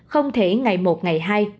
không thể ngày một ngày hai